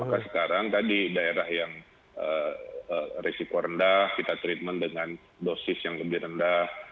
maka sekarang tadi daerah yang risiko rendah kita treatment dengan dosis yang lebih rendah